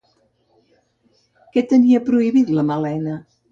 Què tenia prohibit la Malena?